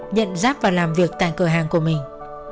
nhận giáp và làm việc tại cửa hàng của mình